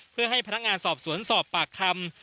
เพื่อให้พนักงานสอบสวนสอบปากคำ